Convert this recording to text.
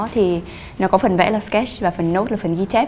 thì nó có phần vẽ là sketch và phần note là phần ghi chép